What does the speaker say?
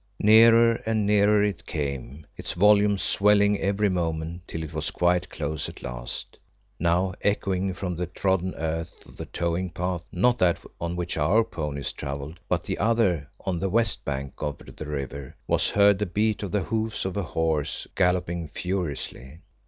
Nearer and nearer it came, its volume swelling every moment, till it was quite close at last. Now echoing from the trodden earth of the towing path not that on which our ponies travelled, but the other on the west bank of the river was heard the beat of the hoofs of a horse galloping furiously.